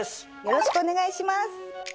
よろしくお願いします。